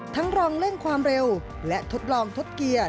ลองเร่งความเร็วและทดลองทดเกียร์